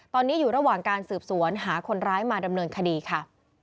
ตอนนี้อยู่ระหว่างการสืบสวนหาคนร้ายมาดำเนินคดีค่ะ